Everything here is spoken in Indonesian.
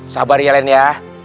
sabar ya len ya